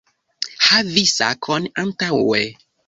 Havi sakon antaŭe